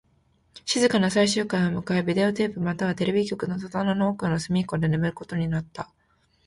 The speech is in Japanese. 静かな最終回を迎え、ビデオテープはまたテレビ局の戸棚の奥の隅っこで眠ることになった